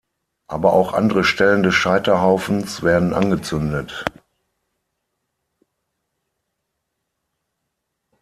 Aber auch andere Stellen des Scheiterhaufens werden angezündet.